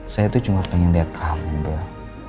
saya tuh cuma pengen lihat kamu bel